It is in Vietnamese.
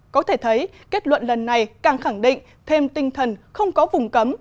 có thể thấy kết luận lần này càng khẳng định thêm tinh thần không có vùng cấm